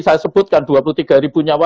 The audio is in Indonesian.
saya sebutkan dua puluh tiga ribu nyawa